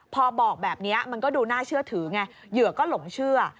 พอบอกแบบนี้มันก็ดูน่าเชื่อถือไงเหยื่อก็หลงเชื่อ